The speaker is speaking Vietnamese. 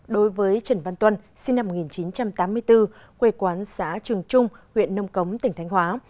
đối với trần văn tuân sinh năm một nghìn chín trăm tám mươi bốn quê quán xã trường trung huyện nông cống tỉnh thánh hóa